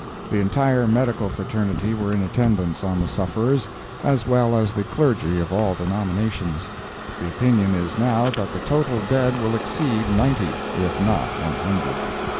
The entire medical fraternity were in attendance on the sufferers, as well as the clergy of all denominations. The opinion is now that the total dead will exceed ninety, if not one hundred.